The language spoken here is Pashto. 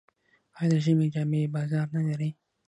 آیا د ژمي جامې بازار نلري؟